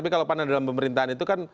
kalau pan ada di dalam pemerintahan itu kan